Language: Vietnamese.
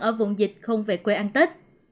ở vùng dịch không về quê ăn tết